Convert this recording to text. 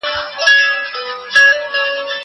زه له سهاره کتابونه ليکم!!!!